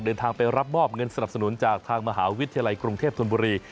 เดินทางไปรับมอบเงินสนับสนุนจากทางมหาวิทยาลัยกรุงเทพธนบุรี